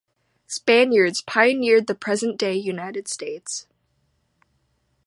Spaniards pioneered the present-day United States.